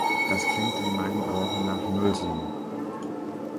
Das klingt in meinen Ohren nach Null-Sinn.